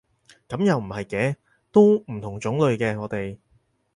噉又唔係嘅，都唔同種類嘅我哋